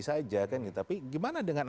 saja kan tapi gimana dengan